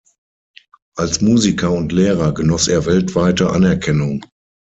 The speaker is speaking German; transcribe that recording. Als Musiker und Lehrer genoss er weltweite Anerkennung.